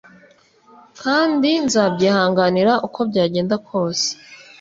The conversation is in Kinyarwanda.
kandi nzabyihanganira uko byagenda kose